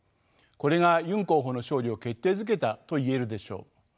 これがユン候補の勝利を決定づけたと言えるでしょう。